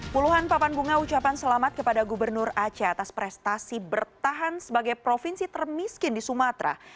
puluhan papan bunga ucapan selamat kepada gubernur aceh atas prestasi bertahan sebagai provinsi termiskin di sumatera